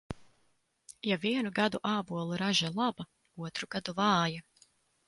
Ja vienu gadu ābolu raža laba, otru gadu vāja.